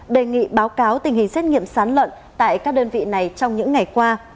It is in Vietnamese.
đề nghị báo cáo tình hình xét nghiệm sán lợn tại các đơn vị này trong những ngày qua